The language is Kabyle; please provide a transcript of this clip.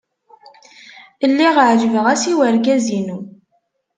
Lliɣ ɛejbeɣ-as i wergaz-inu.